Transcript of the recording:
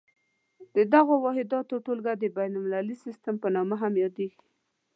د دغو واحداتو ټولګه د بین المللي سیسټم په نامه هم یادیږي.